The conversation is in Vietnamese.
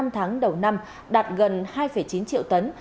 năm tháng đầu năm đạt gần hai chín triệu tấn